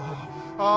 ああ！